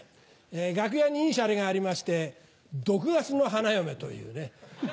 楽屋にいいシャレがありまして「毒ガスの花嫁」というね。